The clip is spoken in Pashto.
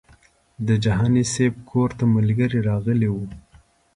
د جهاني صاحب کور ته ملګري راغلي وو.